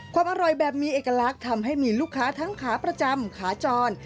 ความอร่อยแบบมีเอกลักษณ์ทำให้มีลูกค้าทั้งขาประจำขาจร